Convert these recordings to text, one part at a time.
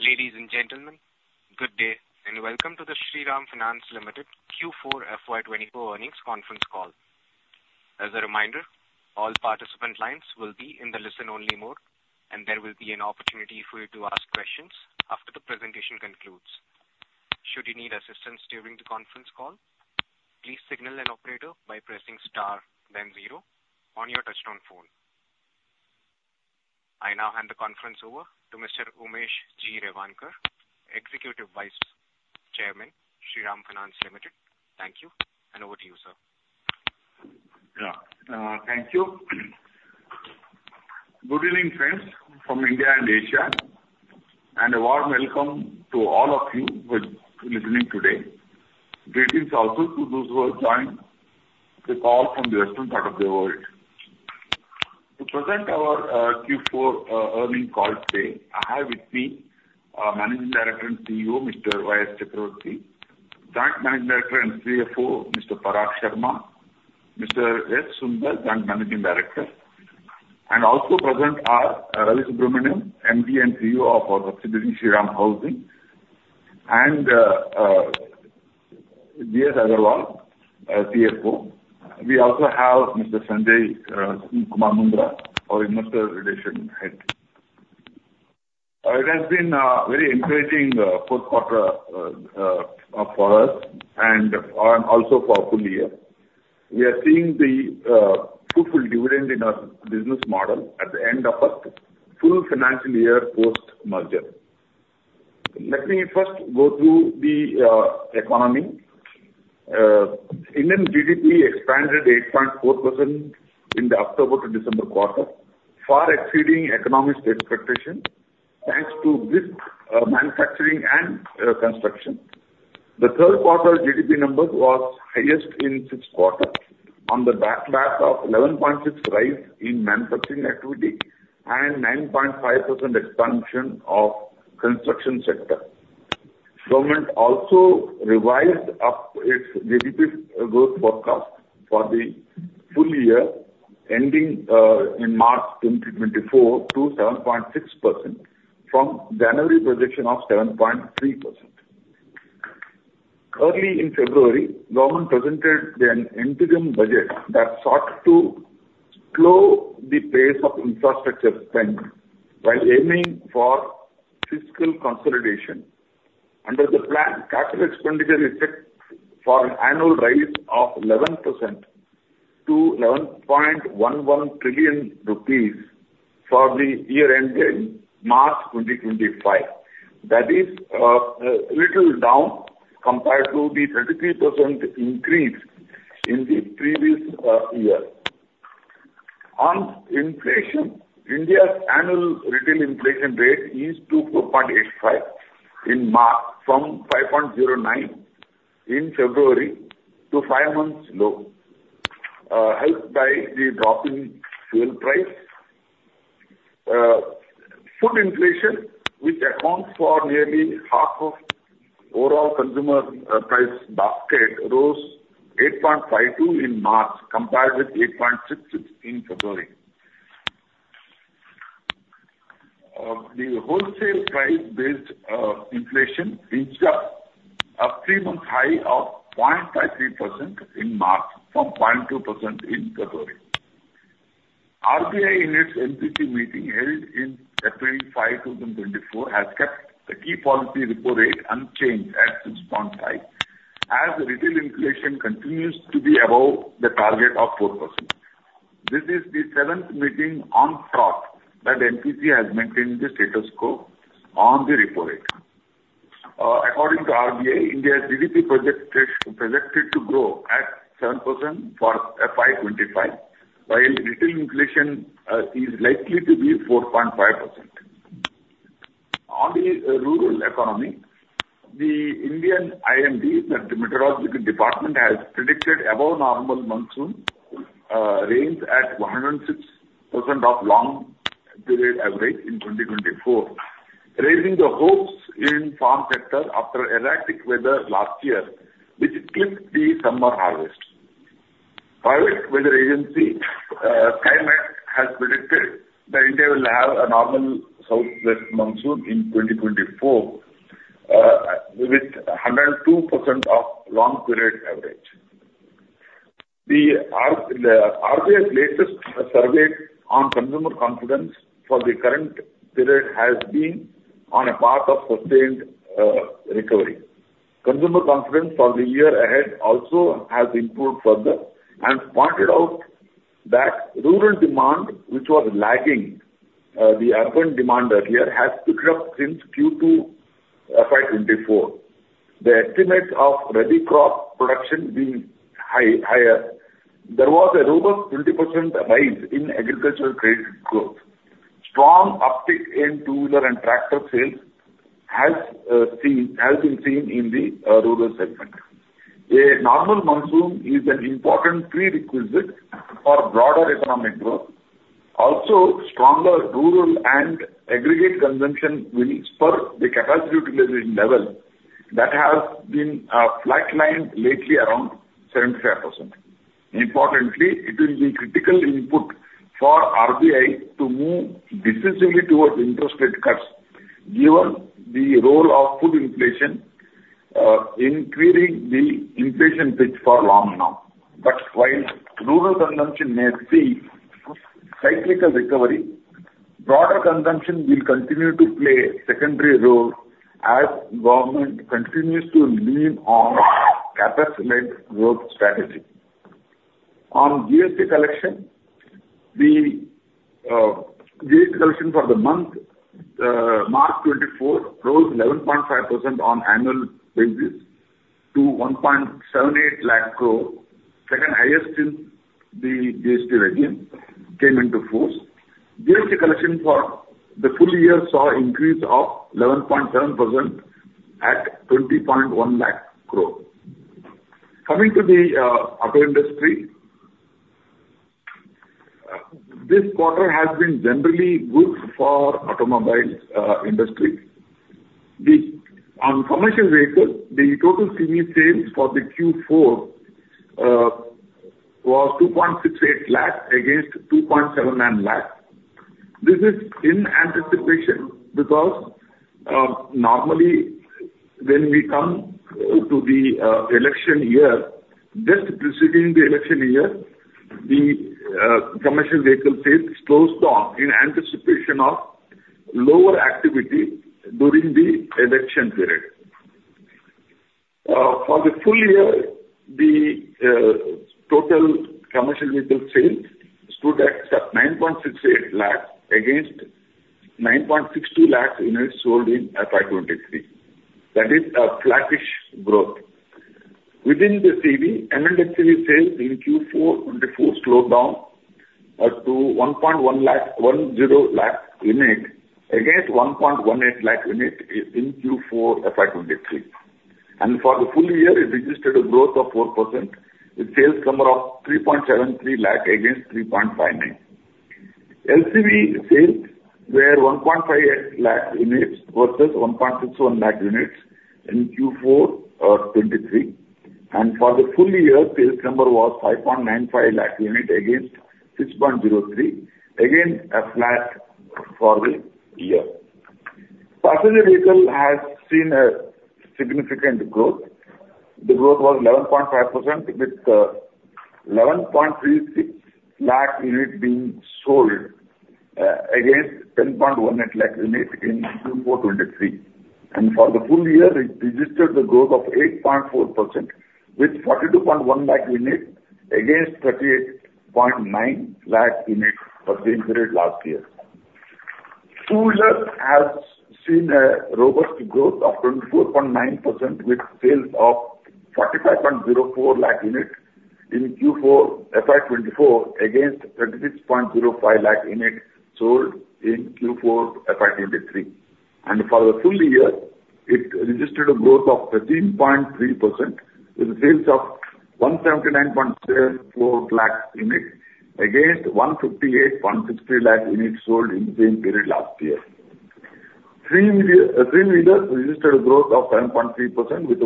Ladies and gentlemen, good day, and welcome to the Shriram Finance Limited Q4 FY 2024 earnings conference call. As a reminder, all participant lines will be in the listen-only mode, and there will be an opportunity for you to ask questions after the presentation concludes. Should you need assistance during the conference call, please signal an operator by pressing star then zero on your touchtone phone. I now hand the conference over to Mr. Umesh G. Revankar, Executive Vice Chairman, Shriram Finance Limited. Thank you, and over to you, sir. Yeah. Thank you. Good evening, friends from India and Asia, and a warm welcome to all of you who are listening today. Greetings also to those who have joined the call from the western part of the world. To present our Q4 earnings call today, I have with me our Managing Director and CEO, Mr. Y.S. Chakravarti, Joint Managing Director and CFO, Mr. Parag Sharma, Mr. S. Sunder, Joint Managing Director. Also present are Ravi Subramanian, MD and CEO of our subsidiary, Shriram Housing, and G.S. Agarwal, CFO. We also have Mr. Sanjay Kumar Mundra, our Investor Relations head. It has been a very encouraging fourth quarter for us and also for full year. We are seeing the fruitful dividend in our business model at the end of a full financial year post-merger. Let me first go through the economy. Indian GDP expanded 8.4% in the October to December quarter, far exceeding economic expectations, thanks to this manufacturing and construction. The third quarter GDP number was highest in six quarters on the back of 11.6 rise in manufacturing activity and 9.5% expansion of construction sector. Government also revised up its GDP growth forecast for the full year, ending in March 2024, to 7.6% from January projection of 7.3%. Early in February, government presented an interim budget that sought to slow the pace of infrastructure spend while aiming for fiscal consolidation. Under the plan, capital expenditure is set for an annual rise of 11% to 11.11 trillion rupees for the year ending March 2025. That is, little down compared to the 33% increase in the previous year. On inflation, India's annual retail inflation rate eased to 4.85% in March, from 5.09% in February, to five months low, helped by the drop in fuel price. Food inflation, which accounts for nearly half of overall consumer price basket, rose 8.52% in March, compared with 8.66% in February. The wholesale price-based inflation inched up a three-month high of 0.53% in March, from 0.2% in February. RBI, in its MPC meeting held in April 5, 2024, has kept the key policy repo rate unchanged at 6.5%, as retail inflation continues to be above the target of 4%. This is the 7th meeting on track that MPC has maintained the status quo on the repo rate. According to RBI, India's GDP projection projected to grow at 7% for FY 2025, while retail inflation is likely to be 4.5%. On the rural economy, the India Meteorological Department (IMD) has predicted above normal monsoon rains at 106% of long period average in 2024, raising the hopes in farm sector after erratic weather last year, which clipped the summer harvest. Private weather agency Skymet has predicted that India will have a normal southwest monsoon in 2024 with 102% of long period average. The RBI's latest survey on consumer confidence for the current period has been on a path of sustained recovery. Consumer confidence for the year ahead also has improved further and pointed out that rural demand, which was lagging, the urban demand earlier, has picked up since Q2 FY 2024. The estimate of Rabi crop production being higher, there was a robust 20% rise in agricultural credit growth. Strong uptick in two-wheeler and tractor sales has been seen in the rural segment. A normal monsoon is an important prerequisite for broader economic growth. Also, stronger rural and aggregate consumption will spur the capacity utilization level that has been flatlined lately around 75%. Importantly, it will be critical input for RBI to move decisively towards interest rate cuts, given the role of food inflation, increasing the inflation pitch for long now. But while rural consumption may see cyclical recovery, broader consumption will continue to play secondary role as government continues to lean on capital-led growth strategy. On GST collection, the GST collection for the month, March 2024, rose 11.5% on annual basis to 178,000 crore, second highest since the GST regime came into force. GST collection for the full year saw increase of 11.7% at 2,010,000 crore. Coming to the auto industry, this quarter has been generally good for automobile industry. On commercial vehicles, the total CV sales for the Q4 was 2.68 lakh against 2.79 lakh. This is in anticipation because normally when we come to the election year, just preceding the election year, the commercial vehicle sales slows down in anticipation of lower activity during the election period. For the full year, the total commercial vehicle sales stood at 9.68 lakh against 9.62 lakh units sold in FY 2023. That is a flattish growth. Within the CV, M&HCV sales in Q4 2024 slowed down to 1.1 lakh, 1.0 lakh unit, against 1.18 lakh unit in Q4 FY 2023. And for the full year, it registered a growth of 4%, with sales number of 3.73 lakh against 3.59. LCV sales were 1.58 lakh units versus 1.61 lakh units in Q4 2023, and for the full year, sales number was 5.95 lakh units against 6.03, again, a flat for the year. Passenger vehicle has seen a significant growth. The growth was 11.5%, with 11.36 lakh units being sold against 10.18 lakh units in Q4 2023. And for the full year, it registered a growth of 8.4%, with 42.1 lakh units against 38.9 lakh units for the same period last year. Two-wheeler has seen a robust growth of 24.9%, with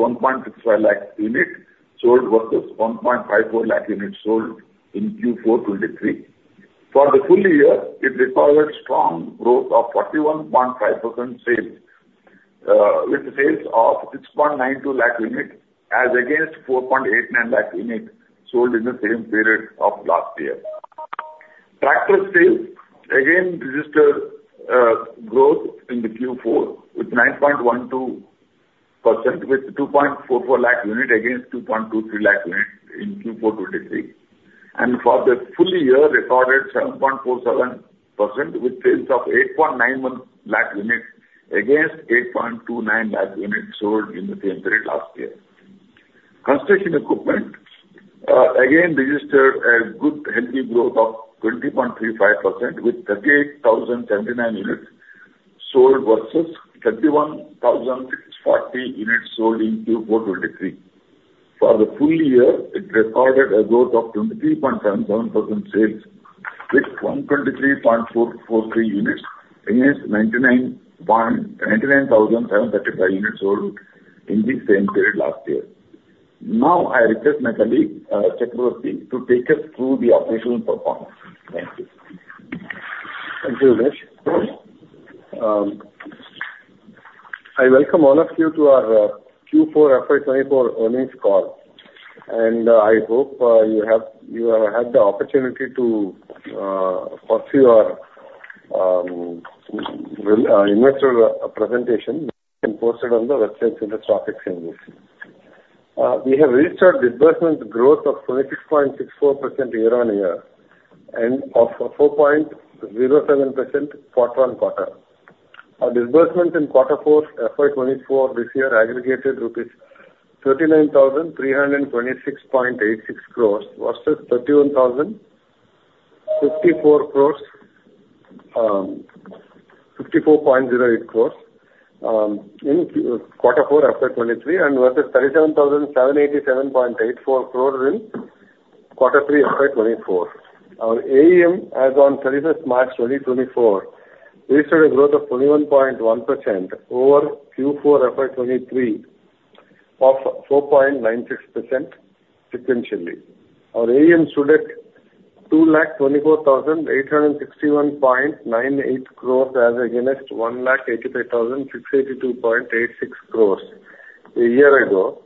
sales of 45.04 lakh units in Q4 FY 2024, against 36.05 lakh units sold in Q4 FY 2023. And for the full year, it registered a growth of 13.3%, with sales of 179.74 lakh units, against 158.63 lakh units sold in the same period last year. Three-wheeler registered a growth of 10.3% with 1.65 lakh units sold versus 1.54 lakh units sold in Q4 2023. For the full year, it recorded strong growth of 41.5% sales, with sales of 6.92 lakh units, as against 4.89 lakh units sold in the same period of last year. Tractor sales again registered growth in Q4, with 9.12%, with 2.44 lakh units against 2.23 lakh units in Q4 2023. For the full year, recorded 7.47% with sales of 8.91 lakh units against 8.29 lakh units sold in the same period last year. Construction equipment, again, registered a good, healthy growth of 20.35% with 38,079 units sold versus 31,640 units sold in Q4 2023. For the full year, it recorded a growth of 23.77% sales, with 123,443 units against 99,735 units sold in the same period last year. Now, I request my colleague, Chakravarti, to take us through the operational performance. Thank you. Thank you, Umesh. I welcome all of you to our Q4 FY 2024 earnings call, and I hope you have had the opportunity to pursue our investor presentation posted on the website in the stock exchanges. We have registered disbursement growth of 26.64% year-on-year, and of 4.07% quarter-on-quarter. Our disbursements in quarter four, FY 2024 this year aggregated rupees 39,326.86 crore, versus 31,054.08 crore in quarter four, FY 2023, and versus 37,787.84 crore in quarter three, FY 2024. Our AUM, as on 31st March, 2024 registered a growth of 21.1% over Q4 FY 2023 of 4.96% sequentially. Our AUM stood at 224,861.98 crore as against 185,682.86 crore a year ago,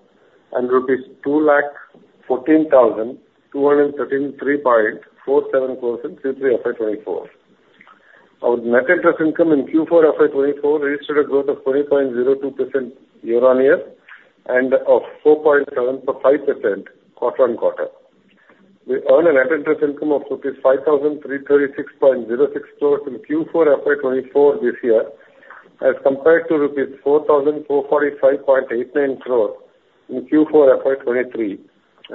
and rupees 214,213.47 crore in Q3 FY 2024. Our net interest income in Q4 FY 2024 registered a growth of 20.02% year-on-year, and of 4.75% quarter-on-quarter. We earned a net interest income of INR 5,336.06 crore in Q4 FY 2024 this year, as compared to INR 4,445.89 crore in Q4 FY 2023,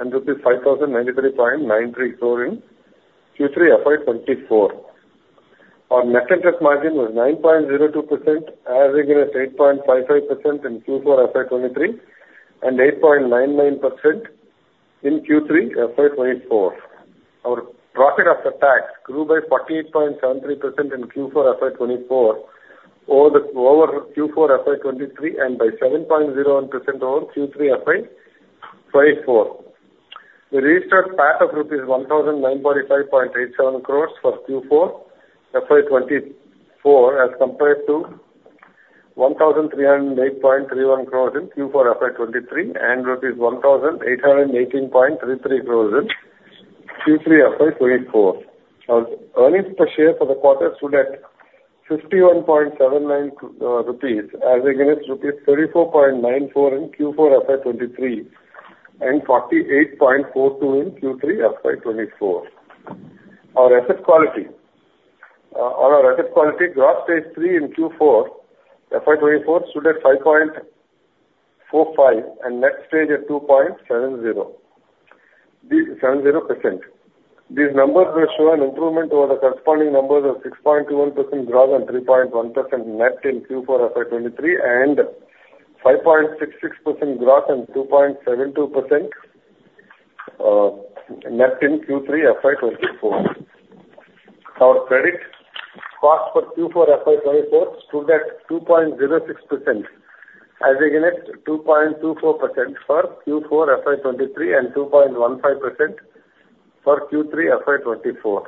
and INR 5,093.93 crore in Q3 FY 2024. Our net interest margin was 9.02% as against 8.55% in Q4 FY 2023, and 8.99% in Q3 FY 2024. Our profit after tax grew by 48.73% in Q4 FY 2024, over Q4 FY 2023, and by 7.01% over Q3 FY 2024. We registered PAT of rupees 1,945.87 crore for Q4 FY 2024, as compared to 1,308.31 crore in Q4 FY 2023, and rupees 1,818.33 crore in Q3 FY 2024. Our earnings per share for the quarter stood at 51.79 rupees, as against 34.94 rupees in Q4 FY 2023, and 48.42 in Q3 FY 2024. Our asset quality, on our asset quality, Gross Stage 3 in Q4 FY 2024 stood at 5.45%, and Net Stage 3 at 2.70%. These numbers will show an improvement over the corresponding numbers of 6.21% gross and 3.1% net in Q4 FY 2023, and 5.66% gross and 2.72% net in Q3 FY 2024. Our credit cost for Q4 FY 2024 stood at 2.06% as against 2.24% for Q4 FY 2023, and 2.15% for Q3 FY 2024.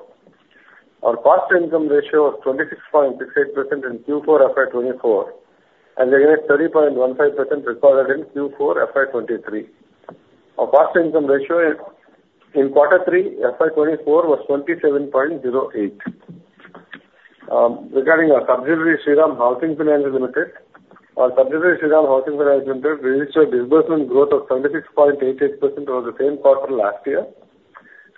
Our cost income ratio was 26.68% in Q4 FY 2024, as against 30.15% recorded in Q4 FY 2023. Our cost income ratio in Q3 FY 2024 was 27.08%. Regarding our subsidiary, Shriram Housing Finance Limited, our subsidiary, Shriram Housing Finance Limited, registered disbursement growth of 76.88% over the same quarter last year.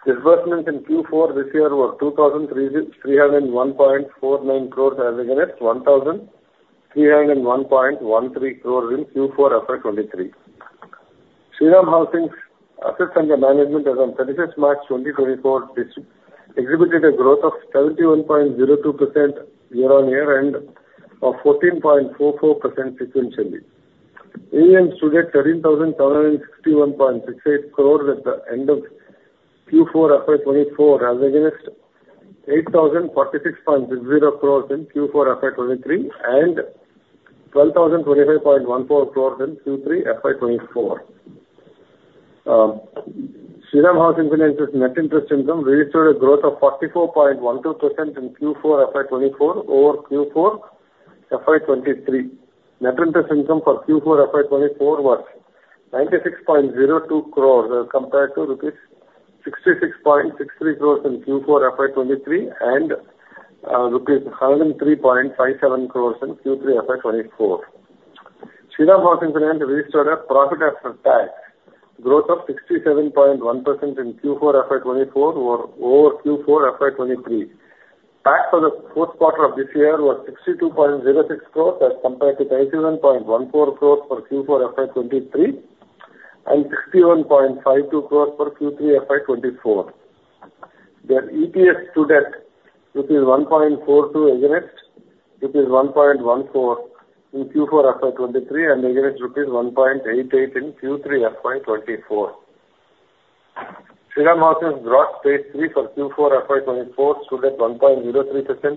Disbursement in Q4 this year were 2,301.49 crore as against 1,301.13 crore in Q4 FY 2023. Shriram Housing's assets under management as on March 31, 2024, which exhibited a growth of 71.02% year-on-year and 14.44% sequentially. AUM stood at INR 13,761.68 crore at the end of Q4 FY 2024, as against INR 8,046.0 crore in Q4 FY 2023, and INR 12,025.14 crore in Q3 FY 2024. Shriram Housing Finance's net interest income reached a growth of 44.12% in Q4 FY 2024 over Q4 FY 2023. Net interest income for Q4 FY 2024 was 96.02 crore, as compared to rupees 66.63 crore in Q4 FY 2023, and rupees 103.57 crore in Q3 FY 2024. Shriram Housing Finance registered a profit after tax growth of 67.1% in Q4 FY 2024 over Q4 FY 2023. Tax for the fourth quarter of this year was 62.06 crore as compared to 37.14 crore for Q4 FY 2023, and 61.52 crore for Q3 FY 2024. The EPS stood at 1.42, against 1.14 in Q4 FY 2023, and against 1.88 in Q3 FY 2024. Shriram Housing's Gross Stage 3 for Q4 FY 2024 stood at 1.03%,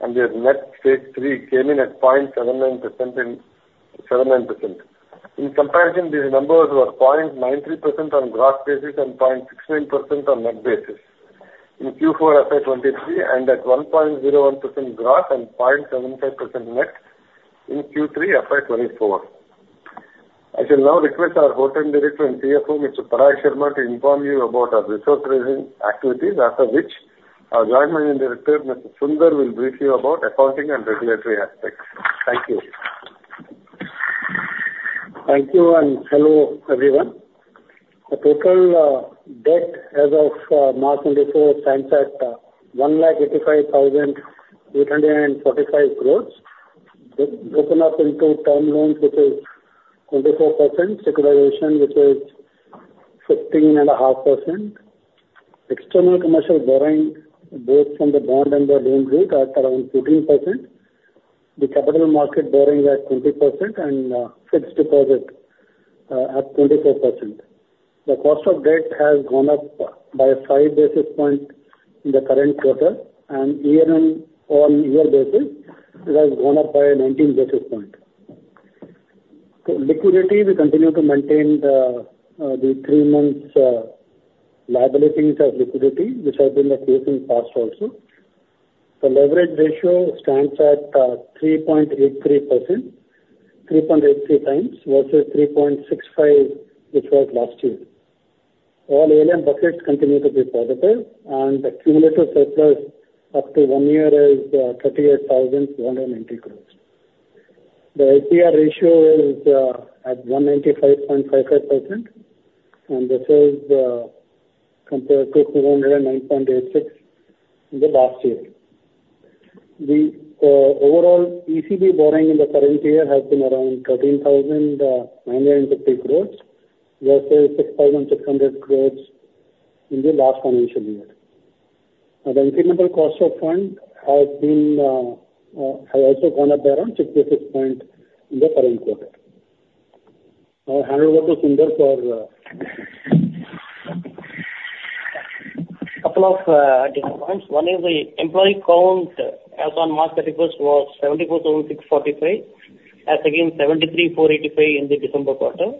and their Net Stage 3 came in at 0.79%. In comparison, these numbers were 0.93% on gross basis and 0.69% on net basis in Q4 FY 2023, and at 1.01% gross and 0.75% net in Q3 FY 2024. I shall now request our whole time director and CFO, Mr. Parag Sharma, to inform you about our resource raising activities, after which our joint managing director, Mr. Sunder, will brief you about accounting and regulatory aspects. Thank you. Thank you, and hello, everyone. Our total debt as of March 31st stands at 1,85,845 crore. It's broken up into term loans, which is 24%, securitization, which is 15.5%, external commercial borrowing, both from the bond and the loan route, are around 13%, the capital market borrowing at 20% and, fixed deposit, at 24%. The cost of debt has gone up by 5 basis points in the current quarter, and year-on-year basis, it has gone up by 19 basis points. So liquidity, we continue to maintain the 3 months' liabilities as liquidity, which have been the case in the past also. The leverage ratio stands at 3.83%, 3.83x versus 3.65, which was last year. All ALM buckets continue to be positive, and the cumulative surplus up to one year is 38,190 crore. The LCR ratio is at 195.55%, and this is compared to 209.86 in the last year. The overall ECB borrowing in the current year has been around 13,950 crore, versus 6,600 crore in the last financial year. Now, the incremental cost of fund has been has also gone up around 6 basis point in the current quarter. I'll hand over to Sunder for. Couple of different points. One is the employee count as on March 31st was 74,645, as against 73,485 in the December quarter.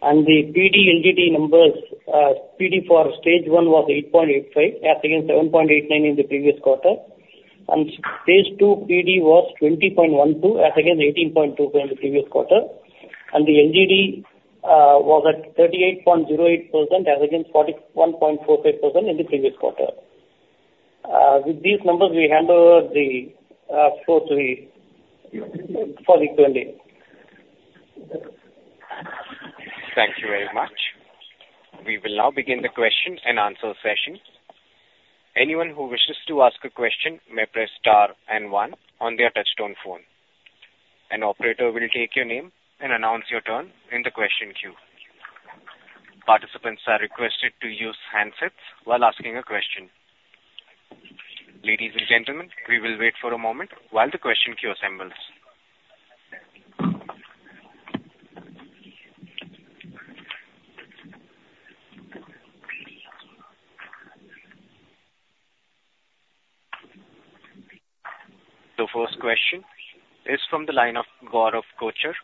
And the PD/LGD numbers, PD for stage 1 was 8.85, as against 7.89 in the previous quarter. And Stage 2 PD was 20.12, as against 18.22 in the previous quarter. And the LGD was at 38.08%, as against 41.45% in the previous quarter. With these numbers, we handle the flow to Stage 3 for the quarter. Thank you very much. We will now begin the question and answer session. Anyone who wishes to ask a question may press star and one on their touchtone phone. An operator will take your name and announce your turn in the question queue. Participants are requested to use handsets while asking a question. Ladies and gentlemen, we will wait for a moment while the question queue assembles. The first question is from the line of Gaurav Kochar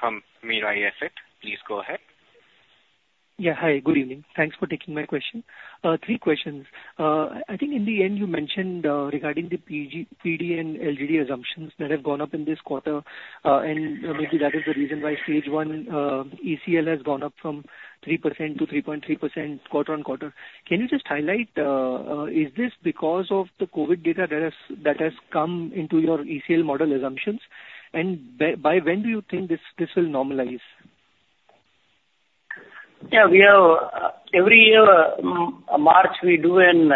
from Mirae Asset. Please go ahead. Yeah. Hi, good evening. Thanks for taking my question. Three questions. I think in the end you mentioned regarding the PD and LGD assumptions that have gone up in this quarter, and maybe that is the reason why Stage 1 ECL has gone up from 3% to 3.3% quarter-over-quarter. Can you just highlight is this because of the COVID data that has come into your ECL model assumptions? And by when do you think this will normalize? Yeah, we have every year, March, we do an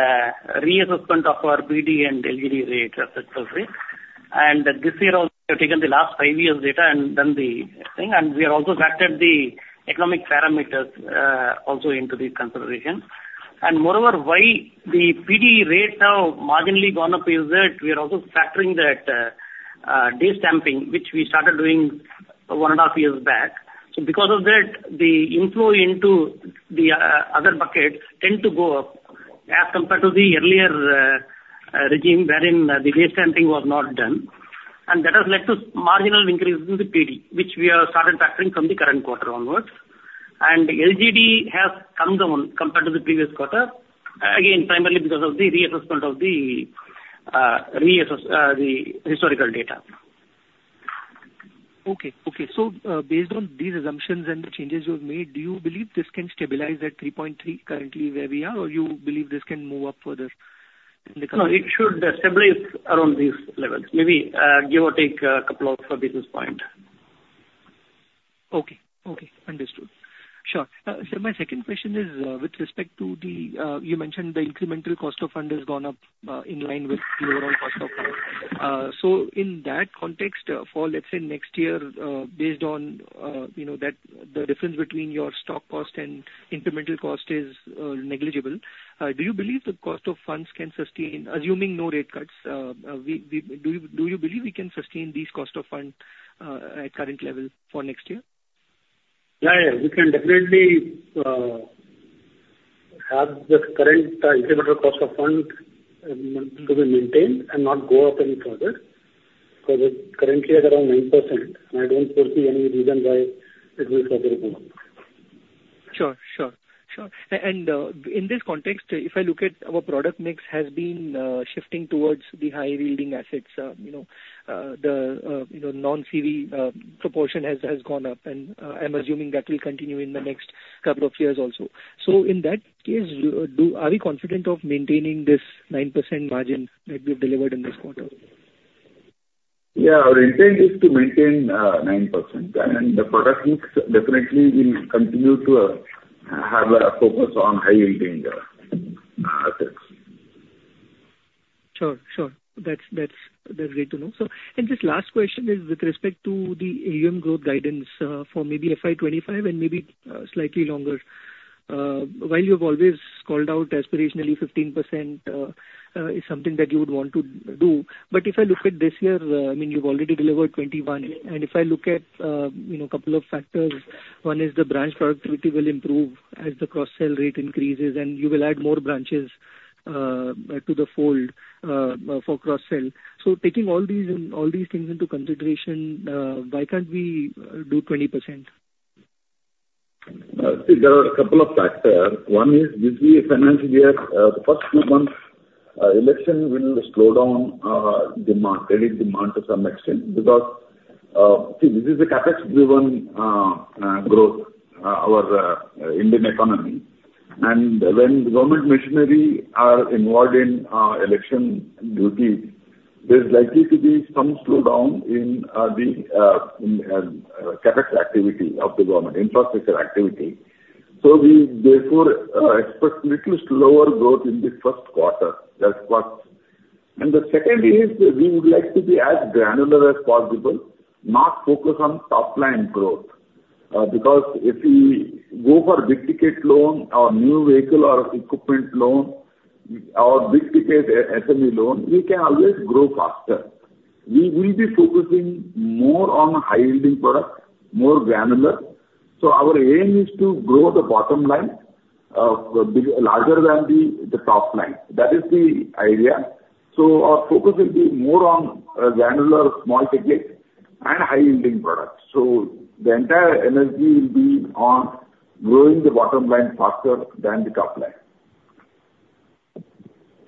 reassessment of our PD and LGD rates, et cetera. And this year also, we have taken the last five years' data and done the thing, and we have also factored the economic parameters also into the consideration. And moreover, why the PD rates have marginally gone up is that we are also factoring that daily stamping, which we started doing one and a half years back. So because of that, the inflow into the other buckets tend to go up as compared to the earlier regime, wherein the daily stamping was not done. And that has led to marginal increase in the PD, which we have started factoring from the current quarter onwards. LGD has come down compared to the previous quarter, again, primarily because of the reassessment of the historical data. Okay. Okay, so, based on these assumptions and the changes you've made, do you believe this can stabilize at 3.3, currently where we are, or you believe this can move up further in the coming? No, it should stabilize around these levels. Maybe, give or take a couple of basis points. Okay. Okay, understood. Sure. So my second question is, with respect to the, you mentioned the incremental cost of fund has gone up, in line with the overall cost of fund. So in that context for, let's say, next year, based on, you know, that the difference between your stock cost and incremental cost is, negligible, do you believe the cost of funds can sustain, assuming no rate cuts, do you believe we can sustain these cost of fund, at current level for next year? Yeah, yeah. We can definitely have the current incremental cost of funds to be maintained and not go up any further, because it's currently at around 9%, and I don't foresee any reason why it will further go up. Sure. Sure, sure. And in this context, if I look at our product mix has been shifting towards the high-yielding assets, you know, the you know, non-CV proportion has gone up, and I'm assuming that will continue in the next couple of years also. So in that case, do... Are we confident of maintaining this 9% margin that we've delivered in this quarter? Yeah, our intent is to maintain 9%, and the product mix definitely will continue to have a focus on high-yielding assets. Sure, sure. That's, that's, that's great to know. So and this last question is with respect to the AUM growth guidance, for maybe FY 2025 and maybe, slightly longer. While you have always called out aspirationally 15%, is something that you would want to do. But if I look at this year, I mean, you've already delivered 21. And if I look at, you know, couple of factors, one is the branch productivity will improve as the cross-sell rate increases, and you will add more branches, to the fold, for cross-sell. So taking all these, all these things into consideration, why can't we do 20%? There are a couple of factors. One is, with the financial year, the first few months, election will slow down, demand, credit demand to some extent, because, see, this is a CapEx driven, growth, our Indian economy. And when the government machinery are involved in, election duty, there's likely to be some slowdown in, the, in, CapEx activity of the government, infrastructure activity. So we therefore, expect little slower growth in the first quarter as well. And the second is we would like to be as granular as possible, not focus on top line growth. Because if we go for big ticket loan or new vehicle or equipment loan or big ticket SME loan, we can always grow faster. We will be focusing more on high-yielding products, more granular. So our aim is to grow the bottom line, be larger than the top line. That is the idea. So our focus will be more on granular, small ticket and high-yielding products. So the entire energy will be on growing the bottom line faster than the top line.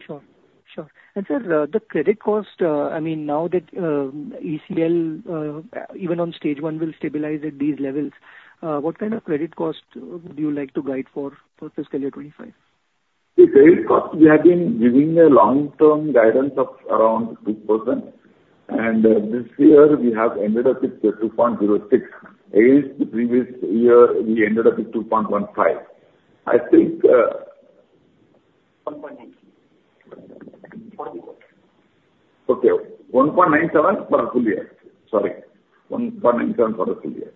Sure, sure. And, sir, the credit cost, I mean, now that ECL, even on stage one, will stabilize at these levels, what kind of credit cost would you like to guide for fiscal year 25? The credit cost, we have been giving a long-term guidance of around 6%, and this year we have ended up with 2.06. As the previous year, we ended up with 2.15. I think, 1.97. Okay. 1.97 for the full year. Sorry, 1.97 for the full year.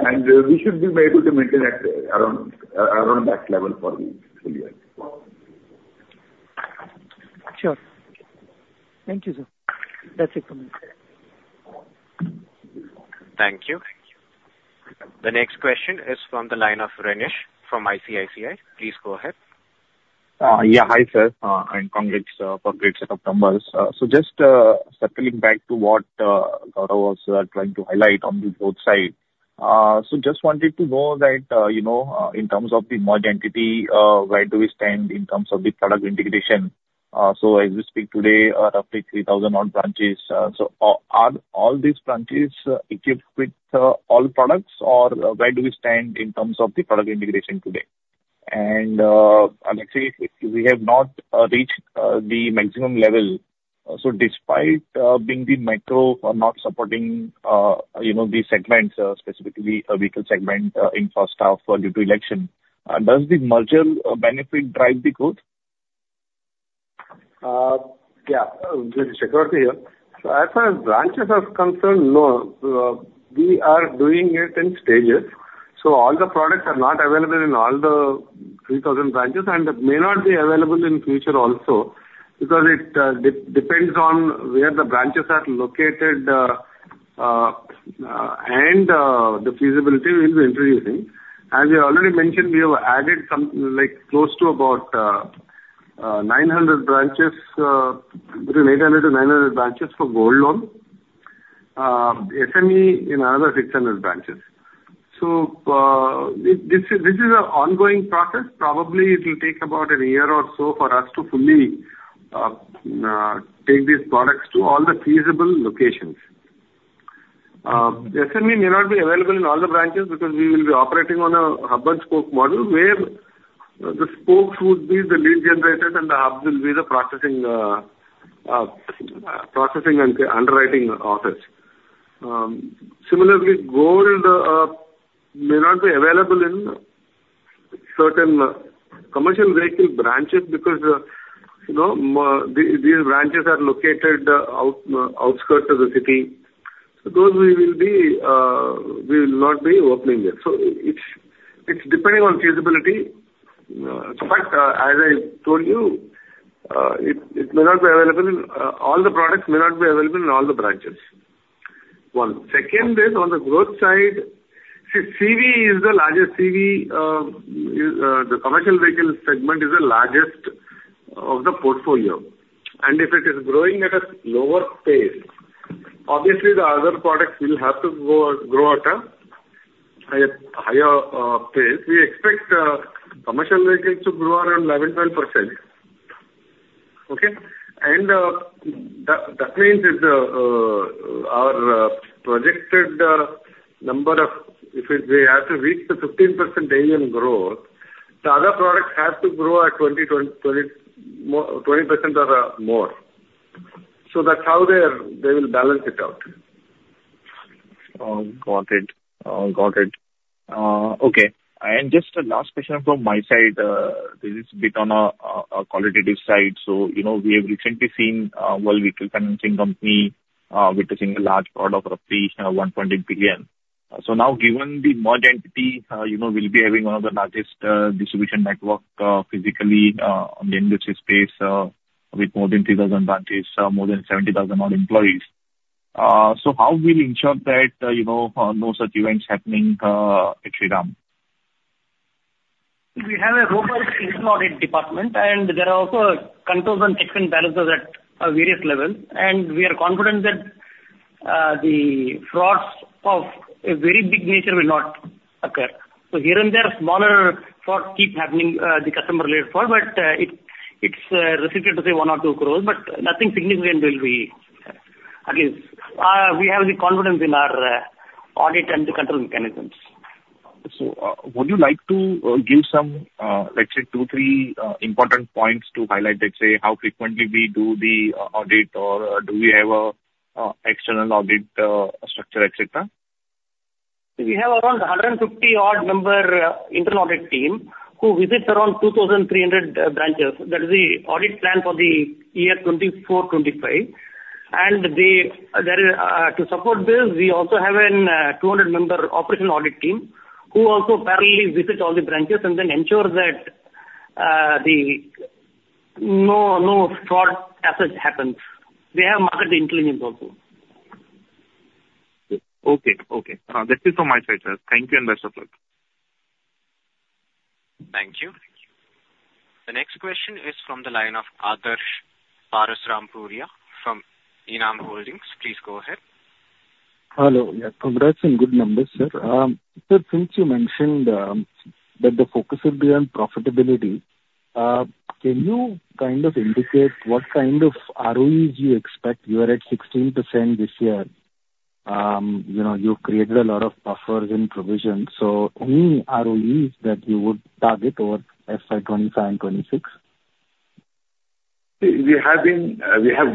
We should be able to maintain that around, around that level for the full year. Sure. Thank you, sir. That's it from me. Thank you. The next question is from the line of Renish from ICICI. Please go ahead. Yeah, hi, sir, and congrats for great set of numbers. So just circling back to what Gaurav was trying to highlight on the growth side. So just wanted to know that, you know, in terms of the merged entity, where do we stand in terms of the product integration? So as we speak today, roughly 3,000 branches. So are all these branches equipped with all products? Or where do we stand in terms of the product integration today? And let's say if we have not reached the maximum level, so despite being the micro or not supporting, you know, the segments, specifically the vehicle segment, infra staff due to election, does the merger benefit drive the growth? Yeah. This is Chakravarti here. So as far as branches are concerned, no, we are doing it in stages, so all the products are not available in all the 3,000 branches and may not be available in future also, because it depends on where the branches are located, and the feasibility we will be introducing. As we already mentioned, we have added some, like, close to about 900 branches, between 800-900 branches for gold loan, SME in another 600 branches. So, this is an ongoing process. Probably it will take about a year or so for us to fully take these products to all the feasible locations. The SME may not be available in all the branches because we will be operating on a hub and spoke model, where the spokes would be the lead generators and the hub will be the processing and underwriting office. Similarly, gold may not be available in certain commercial vehicle branches because, you know, these branches are located on the outskirts of the city, so those we will not be opening there. So it's depending on feasibility, but as I told you, it may not be available, all the products may not be available in all the branches. One second is on the growth side, see, CV is the largest. CV, the commercial vehicle segment is the largest of the portfolio, and if it is growing at a slower pace, obviously the other products will have to go, grow at a higher, higher, pace. We expect, commercial vehicles to grow around 11, 12%. Okay? And, that, that means is, our, projected, number of... If we are to reach the 15% AUM growth, the other products have to grow at 20, 20, 20, more, 20% or, more. So that's how they are, they will balance it out. Got it. Got it. Okay. And just a last question from my side. This is a bit on a qualitative side. So, you know, we have recently seen, well, a vehicle financing company witnessing a large fraud of roughly rupees 1.8 billion. So now given the merged entity, you know, we'll be having one of the largest distribution network, physically, on the industry space, with more than 3,000 branches, more than 70,000 odd employees. So how we ensure that, you know, no such events happening, at Shriram? We have a robust internal audit department, and there are also controls and balances at various levels, and we are confident that the frauds of a very big nature will not occur. So here and there, smaller fraud keep happening, the customer related fraud, but it’s restricted to, say, 1 or 2 crores, but nothing significant will be against. We have the confidence in our audit and the control mechanisms. Would you like to give some, let's say, 2, 3 important points to highlight, let's say, how frequently we do the audit or do we have an external audit structure, et cetera? We have around 150 odd number, internal audit team, who visit around 2,300 branches. That is the audit plan for the year 2024-25. And to support this, we also have an, two hundred member operational audit team, who also parallelly visit all the branches and then ensure that, the no, no fraud as such happens. We have market intelligence also. Okay. Okay. That's it from my side, sir. Thank you, and best of luck. Thank you. The next question is from the line of Adarsh Parasrampuria from Enam Holdings. Please go ahead. Hello. Yeah, congrats on good numbers, sir. So since you mentioned that the focus will be on profitability, can you kind of indicate what kind of ROEs you expect? You are at 16% this year. You know, you created a lot of buffers and provisions, so any ROEs that you would target over FY 2025 and 2026? We have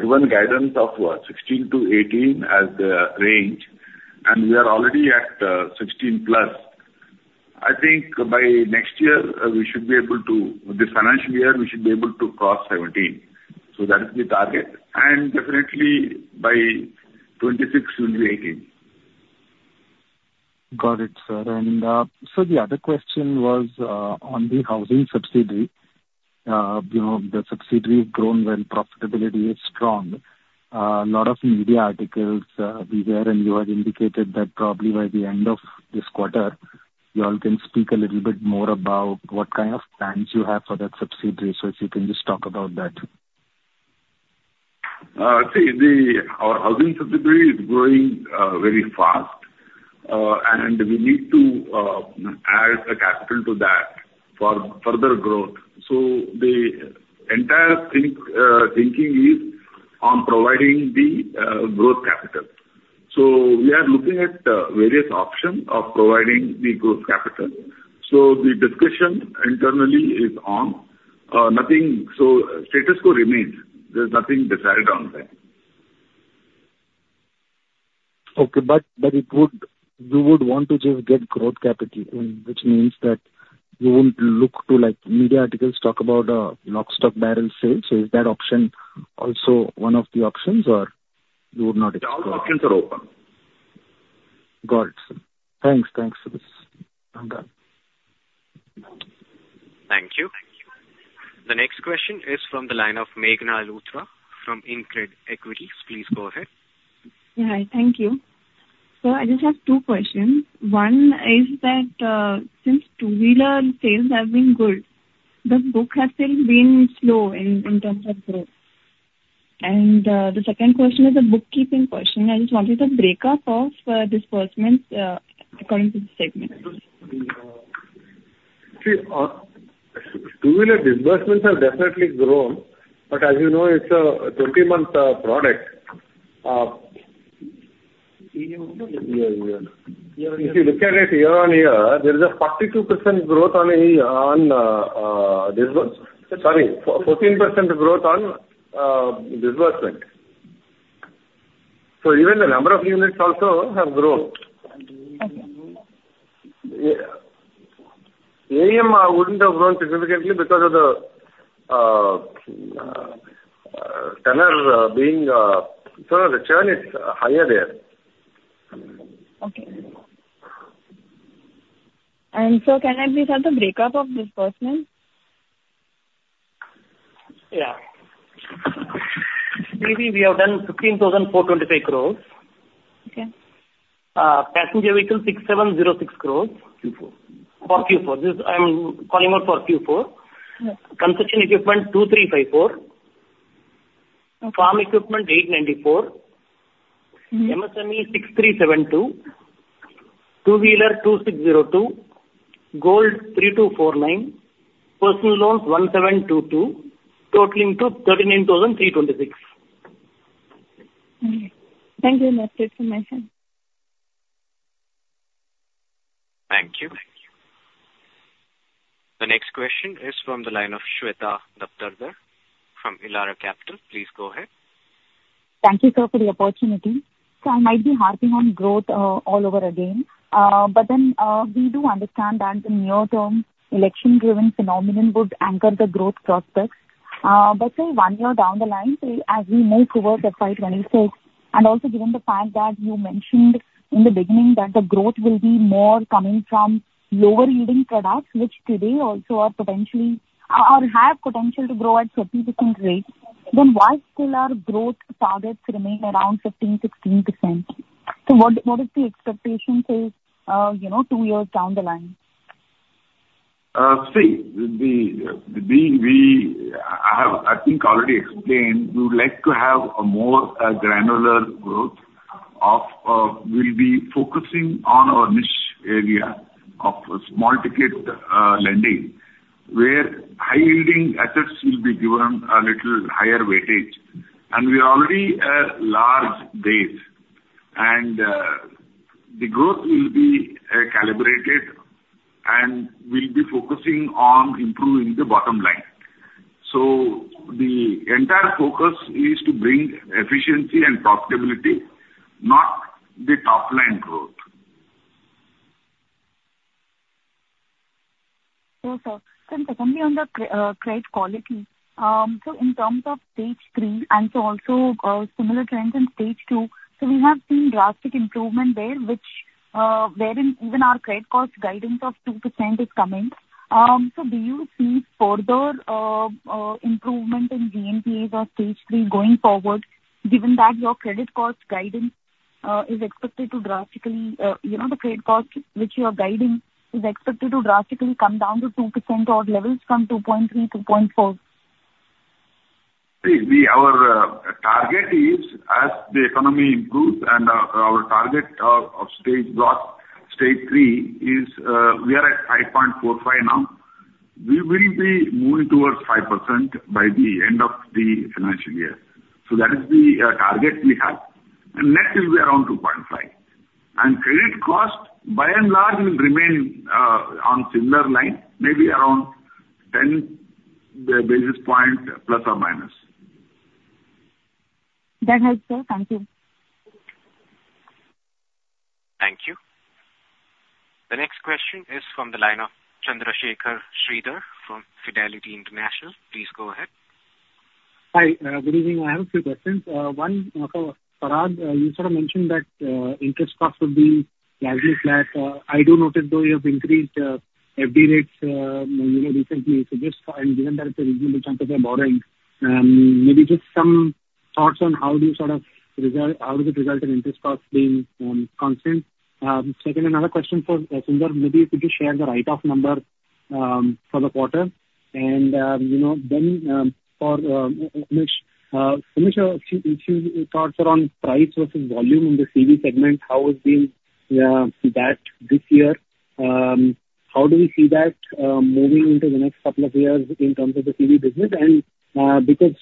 given guidance of what? 16-18 as the range, and we are already at 16+. I think by next year, this financial year, we should be able to cross 17, so that is the target. And definitely, by 2026, we'll be 18. Got it, sir. And, so the other question was on the housing subsidy. You know, the subsidy has grown when profitability is strong. A lot of media articles we read, and you had indicated that probably by the end of this quarter, you all can speak a little bit more about what kind of plans you have for that subsidy. So if you can just talk about that. See, our housing subsidiary is growing very fast, and we need to add the capital to that for further growth. So the entire thinking is on providing the growth capital. So we are looking at various options of providing the growth capital. So the discussion internally is on nothing, so status quo remains. There's nothing decided on that. Okay. But you would want to just get growth capital, which means that you won't look to, like, media articles talk about a lock, stock, and barrel sale. So is that option also one of the options, or you would not explore? All options are open. Got it. Thanks. Thanks for this. I'm done. Thank you. The next question is from the line of Meghna Luthra from InCred Equities. Please go ahead. Hi. Thank you. So I just have two questions. One is that, since two-wheeler sales have been good, the book has still been slow in terms of growth. And, the second question is a bookkeeping question. I just wanted a breakup of disbursements according to the segment. See, two-wheeler disbursements have definitely grown, but as you know, it's a 20-month product. If you look at it year-on-year, there is a 42% growth on a disbursement. Sorry, 14% growth on disbursement. So even the number of units also have grown. Okay. AUM wouldn't have grown significantly because of the tenor being so the churn is higher there. Okay. Can I please have the breakup of disbursement? Yeah. Three-wheeler we have done 16,425 crore. Okay. Passenger vehicle, 6,706 crore. Q4. For Q4. This, I'm calling out for Q4. Yeah. Construction Equipment, 2,354. Okay. Farm Equipment, 894. MSME, 6,372. Two-wheeler, 2,602. Gold, 3,249. Personal loans, 1,722, totaling to 39,326. Thank you, nice information. Thank you. The next question is from the line of Shweta Daptardar from Elara Capital. Please go ahead. Thank you, sir, for the opportunity. So I might be harping on growth, all over again. But then, we do understand that in near term, election-driven phenomenon would anchor the growth prospects. But say one year down the line, say, as we move towards the FY26, and also given the fact that you mentioned in the beginning that the growth will be more coming from lower-yielding products, which today also are potentially or, or have potential to grow at significant rates, then why still our growth targets remain around 15, 16%? So what, what is the expectation, say, you know, two years down the line? See, I think I have already explained, we would like to have a more granular growth of, we'll be focusing on our niche area of small ticket lending, where high-yielding assets will be given a little higher weightage. And we are already a large base, and the growth will be calibrated, and we'll be focusing on improving the bottom line. So the entire focus is to bring efficiency and profitability, not the top line growth. Sure, sir. Then secondly, on the credit quality. So in terms of stage three and so also, similar trends in stage two, so we have seen drastic improvement there, which, wherein even our credit cost guidance of 2% is coming. So do you see further improvement in GNPA or stage three going forward, given that your credit cost guidance is expected to drastically, you know, the credit cost which you are guiding is expected to drastically come down to 2% odd levels from 2.3%, 2.4%? See, we, our target is as the economy improves and our target of stage loss, Stage 3, is we are at 5.45 now. We will be moving towards 5% by the end of the financial year. So that is the target we have, and next will be around 2.5. And credit cost, by and large, will remain on similar lines, maybe around 10 basis points ±. That helps, sir. Thank you. Thank you. The next question is from the line of Chandrasekhar Sridhar from Fidelity International. Please go ahead. Hi, good evening. I have a few questions. One, Parag, you sort of mentioned that interest costs will be largely flat. I do notice, though, you have increased FD rates, you know, recently. So just, and given that it's a reasonable chance of borrowing, maybe just some thoughts on how do you sort of result. How does it result in interest costs being constant? Second, another question for Sunder. Maybe if you could share the write-off number for the quarter. And, you know, then, for Umesh, a few thoughts around price versus volume in the CV segment. How is that this year? How do we see that moving into the next couple of years in terms of the CV business? Because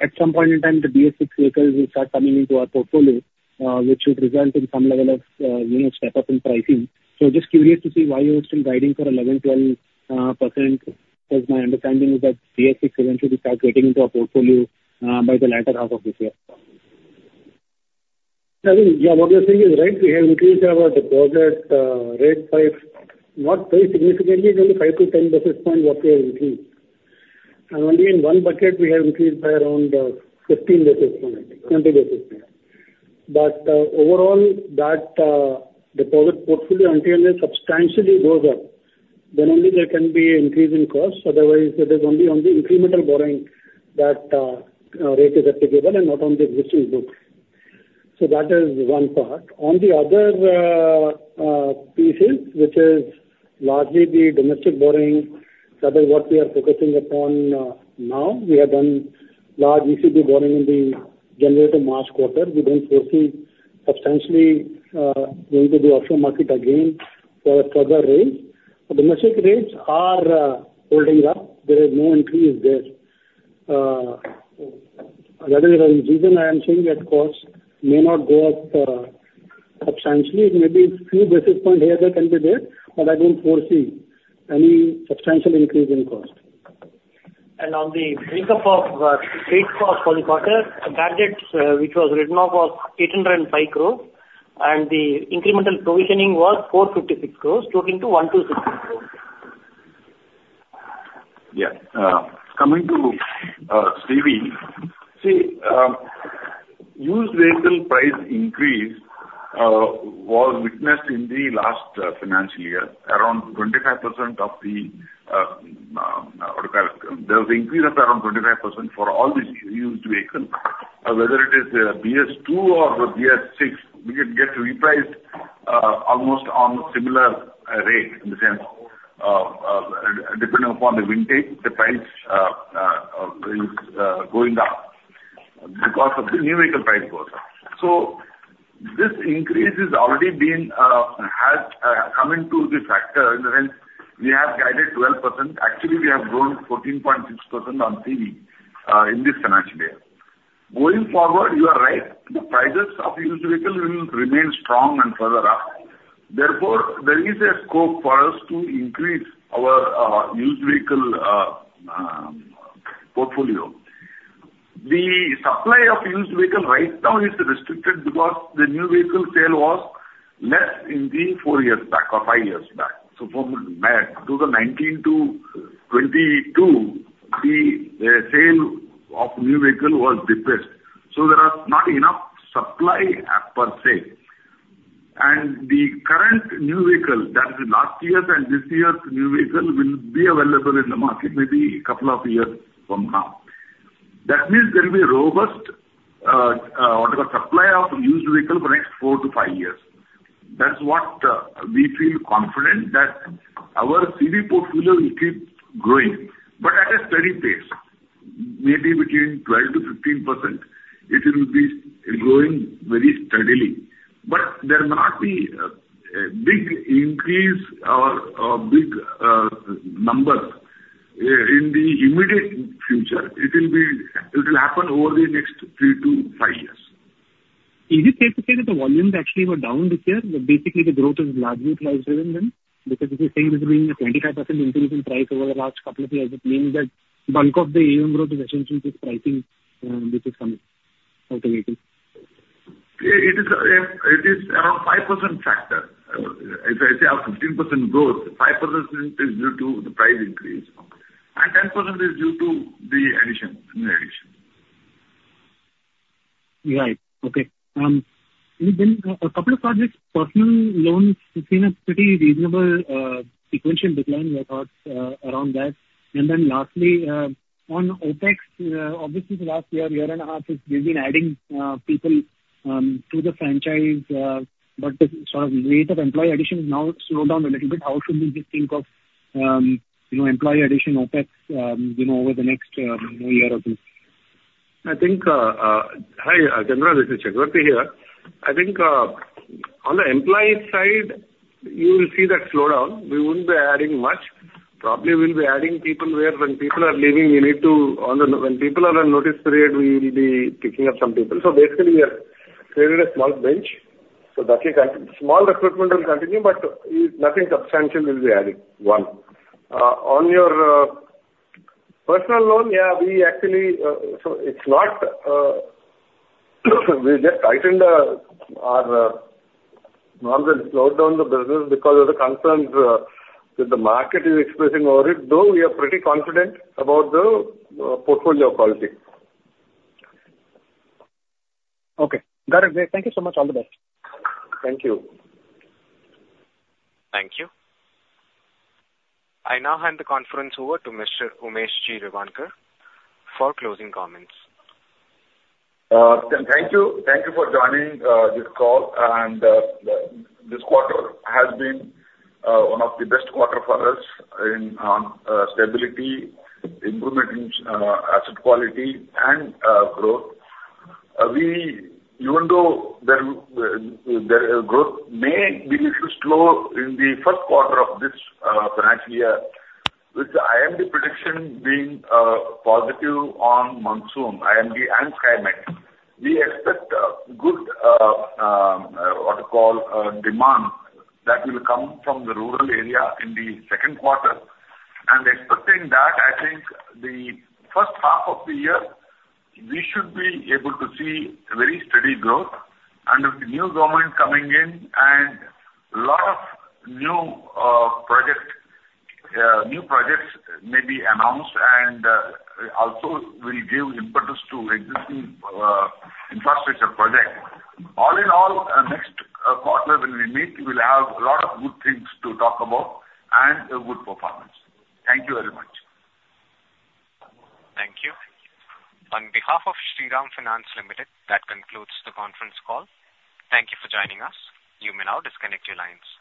at some point in time, the BS6 vehicles will start coming into our portfolio, which should result in some level of, you know, step up in pricing. Just curious to see why you are still guiding for 11%-12%, because my understanding is that BS6 eventually start getting into our portfolio, by the latter half of this year. Yeah, what you are saying is right. We have increased our deposit rate by not very significantly, only 5-10 basis points what we have increased. And only in one bucket we have increased by around 15 basis point, 20 basis point. But overall, that deposit portfolio, until it substantially goes up, then only there can be an increase in cost. Otherwise, it is only on the incremental borrowing that rate is applicable and not on the existing book. So that is one part. On the other pieces, which is largely the domestic borrowing, that is what we are focusing upon now. We have done large ECB borrowing in the January to March quarter. We don't foresee substantially going to the offshore market again for further raise. Domestic rates are holding up. There is no increase there. That is the reason I am saying that costs may not go up substantially. Maybe a few basis point here and there can be there, but I don't foresee any substantial increase in cost. On the breakup of credit cost for the quarter, the target which was written off was 805 crore, and the incremental provisioning was 456 crores, totaling to 126 crore. Yeah. Coming to CV. See, used vehicle price increase was witnessed in the last financial year. There was increase of around 25% for all the used vehicle, whether it is BS2 or BS6, we get repriced almost on similar rate, in the sense, depending upon the vintage, the price going down because of the new vehicle price go up. So this increase is already been has come into the factor, in the sense we have guided 12%. Actually, we have grown 14.6% on CV in this financial year. Going forward, you are right, the prices of used vehicle will remain strong and further up. Therefore, there is a scope for us to increase our used vehicle portfolio. The supply of used vehicle right now is restricted because the new vehicle sale was less in the 4 years back or 5 years back. So from back to the 2019 to 2022, the sale of new vehicle was depressed, so there are not enough supply per se. And the current new vehicle, that is last year's and this year's new vehicle, will be available in the market maybe a couple of years from now. That means there will be a robust, what you call, supply of used vehicle for next 4-5 years. That's what we feel confident that our CV portfolio will keep growing, but at a steady pace, maybe between 12%-15%. It will be growing very steadily, but there will not be a big increase or a big number in the immediate future. It will happen over the next 3-5 years. Is it fair to say that the volumes actually were down this year, but basically the growth is largely price-driven then? Because if you're saying there's been a 25% increase in price over the last couple of years, it means that bulk of the AM growth is essentially just pricing, which is coming out of it. It is around 5% factor. If I say our 15% growth, 5% is due to the price increase, and 10% is due to the addition, new addition. Right. Okay. And then a couple of products, personal loans, we've seen a pretty reasonable sequential decline. Your thoughts around that? And then lastly, on OpEx, obviously the last year and a half, we've been adding people to the franchise, but the sort of rate of employee addition has now slowed down a little bit. How should we just think of, you know, employee addition OpEx, you know, over the next year or two? I think, Hi, Chandra, this is Chakravarti here. I think, on the employee side, you will see that slowdown. We wouldn't be adding much. Probably we'll be adding people where when people are leaving, we need to. On the, when people are on notice period, we will be picking up some people. So basically, we have created a small bench, so that can continue. Small recruitment will continue, but it, nothing substantial will be adding, one. On your, personal loan, yeah, we actually, so it's not, we just tightened our, norms and slowed down the business because of the concerns, that the market is expressing over it, though we are pretty confident about the, portfolio quality. Okay. Got it. Great. Thank you so much. All the best. Thank you. Thank you. I now hand the conference over to Mr. Umesh G. Revankar for closing comments. Thank you. Thank you for joining this call, and this quarter has been one of the best quarter for us in stability, improvement in asset quality, and growth. We even though the growth may be little slow in the first quarter of this financial year, with the IMD prediction being positive on monsoon, IMD and Skymet, we expect good, what you call, demand that will come from the rural area in the second quarter. And expecting that, I think the first half of the year, we should be able to see very steady growth. And with the new government coming in and lot of new projects may be announced and also will give impetus to existing infrastructure projects. All in all, next quarter when we meet, we'll have a lot of good things to talk about and a good performance. Thank you very much. Thank you. On behalf of Shriram Finance Limited, that concludes the conference call. Thank you for joining us. You may now disconnect your lines.